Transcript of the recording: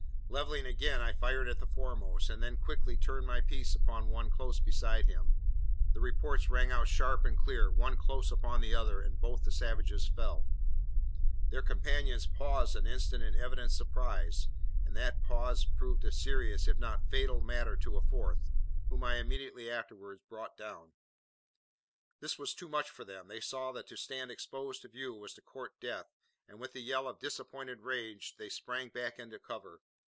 Levelling again, I fired at the foremost, and then quickly turned my piece upon one close beside him. The reports rang out sharp and clear, one close upon the other, and both the savages fell. Their companions paused an instant in evident surprise; and that pause proved a serious, if not fatal, matter to a fourth, whom I immediately afterwards brought down. This was too much for them. They saw that to stand exposed to view was to court death, and with a yell of disappointed rage, they sprang back into cover.